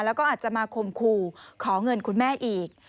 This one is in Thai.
แล้วก็อาจจะมาข่มขู่ขอเงินคุณแม่อีก